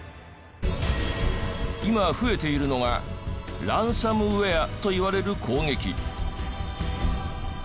今増えているのがランサムウェアといわれる攻撃。